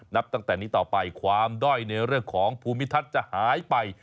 นับตั้งแต่นี้ต่อไปความด้อยในเรื่องของภูมิทัศน์จะหายไป